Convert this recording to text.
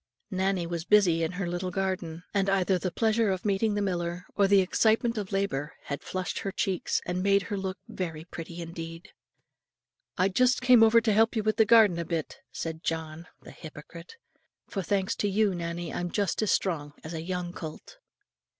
Nannie was busy in her little garden; and either the pleasure of meeting the miller, or the excitement of labour had flushed her cheeks, and made her look very pretty indeed. "I just came over to help you with the garden a bit," said John, the hypocrite! "for thanks to you, Nannie, I'm just as strong as a young colt."